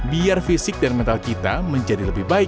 biar fisik dan mental kita menjadi lebih baik